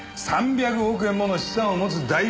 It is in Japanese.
３００億円もの資産を持つ大富豪。